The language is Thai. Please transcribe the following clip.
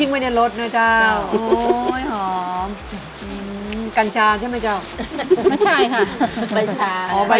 ไม่ตายหรือเจ้า